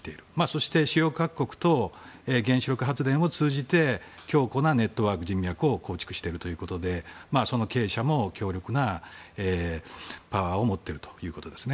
そして主要各国と原子力発電を通じて強固なネットワーク、人脈を構築しているということでその経営者も強力なパワーを持っているということです。